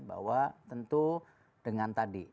bahwa tentu dengan tadi